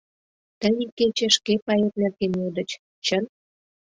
Тый икече шке пает нерген йодыч, чын?